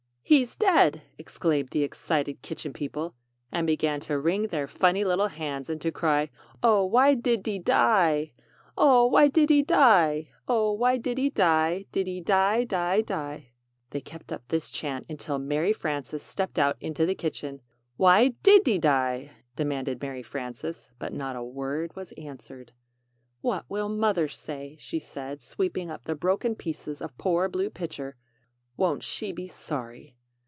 "He's dead," exclaimed the excited Kitchen People, and began to wring their funny little hands, and to cry "Oh, why did de die? "Oh, why did de die? "Oh, why did de die? did de die die die?" [Illustration: Over he went Crash!!!] They kept up this chant until Mary Frances stepped out into the kitchen. "Why did de die?" demanded Mary Frances, but not a word was answered. "What will Mother say?" she said, sweeping up the broken pieces of poor Blue Pitcher. "Won't she be sorry!"